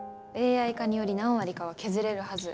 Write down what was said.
ＡＩ化により何割かは削れるはず。